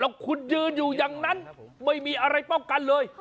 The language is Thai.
แล้วคุณยืนอยู่อย่างนั้นไม่มีอะไรป้องกันเลย